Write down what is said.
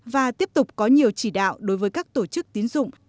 và tiếp tục có nhiều chỉ đạo đối với các tổ chức tín dụng